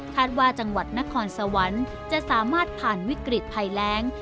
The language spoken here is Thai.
ว่าจังหวัดนครสวรรค์จะสามารถผ่านวิกฤตภัยแรง